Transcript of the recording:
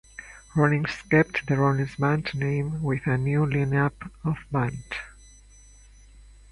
Rollins kept the Rollins Band name with a new lineup of the band.